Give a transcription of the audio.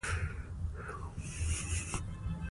اوږده غرونه د افغانانو د معیشت سرچینه ده.